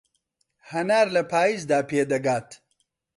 هەنار لە پایزدا پێدەگات